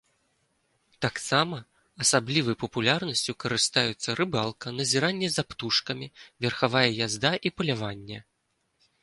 Таксама асаблівай папулярнасцю карыстаюцца рыбалка, назіранне за птушкамі, верхавая язда і паляванне.